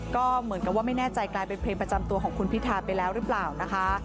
ก็เหมือนกับว่าไม่แน่ใจกลายเป็นเพลงประจำตัวของคุณพิธาไปแล้วหรือเปล่านะคะ